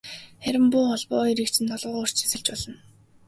Харин буу холбоо хоёрыг чинь толгойгоор чинь сольж болно.